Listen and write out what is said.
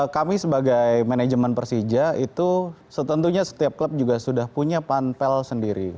kami sebagai manajemen persija itu setentunya setiap klub juga sudah punya panpel sendiri